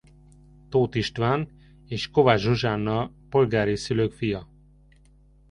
Tóth István és Kovács Zsuzsánna polgári szülők fia.